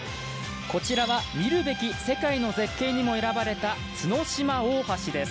こちらは見るべき世界の絶景にも選ばれた角島大橋です。